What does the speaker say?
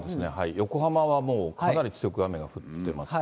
横浜はもうかなり強く雨が降ってますね。